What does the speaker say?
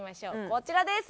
こちらです。